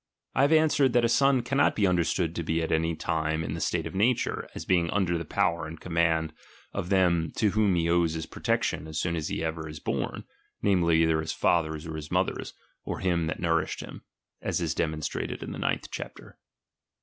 I have answered, that a son cannot be understood to be at any time in the state of nature, as being under the power and command of tliem to whom he owes his protection as soon as ever he is born, namely, either his father's or his mother's, or him that nourished him ; as is demoDHtrated in the ninth chapter.